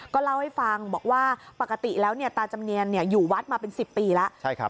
ก็เล่าให้ฟังบอกว่าปกติแล้วตาจำเนียนอยู่วัดมาเป็น๑๐ปีแล้ว